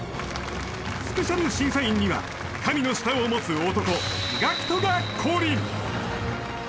スペシャル審査員には神の舌を持つ男・ＧＡＣＫＴが降臨！